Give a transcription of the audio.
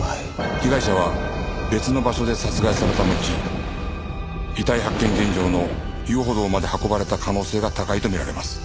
被害者は別の場所で殺害された後遺体発見現場の遊歩道まで運ばれた可能性が高いと見られます。